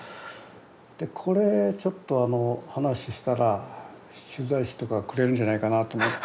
でこれちょっと話したら取材費とかくれるんじゃないかなと思って。